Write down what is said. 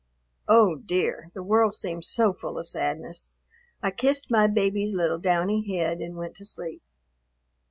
Oh, dear! the world seemed so full of sadness. I kissed my baby's little downy head and went to sleep.